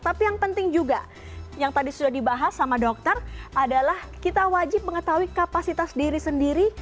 tapi yang penting juga yang tadi sudah dibahas sama dokter adalah kita wajib mengetahui kapasitas diri sendiri